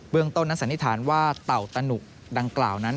ต้นนั้นสันนิษฐานว่าเต่าตะหนุกดังกล่าวนั้น